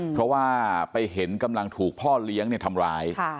เพราะว่าไปเห็นกำลังถูกพ่อเลี้ยงทำร้าย